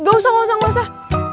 eh gak usah gak usah gak usah